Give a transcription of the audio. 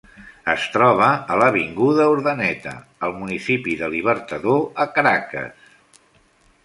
Es troba a l'avinguda Urdaneta, al municipi de Libertador, a Caracas.